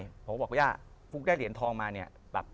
ผมก็บอกว่าย่าฟุ๊กได้เหรียญทองมาเนี่ย